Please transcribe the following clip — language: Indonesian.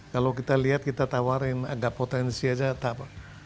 kalau kita lihat kita tawarin agak potensi aja atau apa